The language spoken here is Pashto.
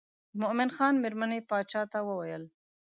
د مومن خان مېرمنې باچا ته وویل.